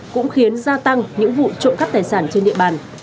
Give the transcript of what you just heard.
cũng khiến gia tăng những vụ trộm cắp tài sản trên địa bàn